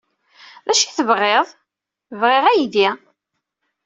D acu ay tebɣid? Bɣiɣ aydi.